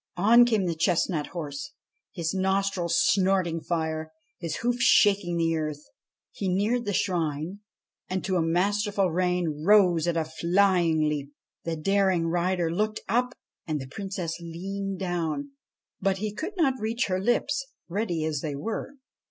On came the chestnut horse, his nostrils snorting fire, his hoofs shaking the earth. He neared the shrine, and, to a masterful rein, rose at a flying leap. The daring rider looked up and the Princess leaned down, but he could not reach her lips, ready as they were.